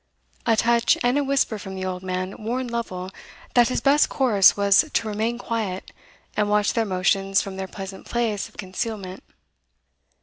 A touch and a whisper from the old man warned Lovel that his best course was to remain quiet, and watch their motions from their present place of concealment.